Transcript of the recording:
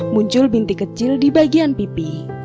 muncul binti kecil di bagian pipi